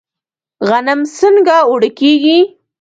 غنم څنګه اوړه کیږي؟